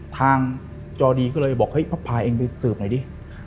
ทางจอดีก็เลยบอกเฮ้ยพาเองไปสืบหน่อยดิ